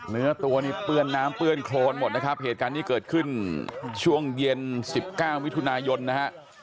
เนื้อตัวนี้เปื้อนน้ำเปื้อนโครนหมดนะครับเหตุการณ์นี้เกิดขึ้นช่วงเย็น๑๙มิถุนายนนะฮะ